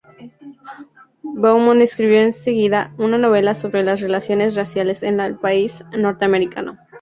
Beaumont escribió enseguida una novela sobre las relaciones raciales en el país norteamericano.